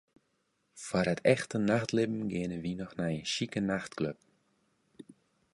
Foar it echte nachtlibben geane wy noch nei in sjike nachtklup.